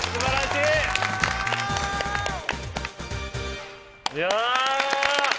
いや！